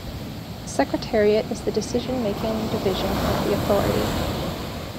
The Secretariat is the decision-making division of the Authority.